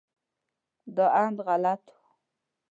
دا اند غلط و.